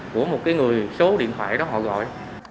của một người số điện thoại đó họ gọi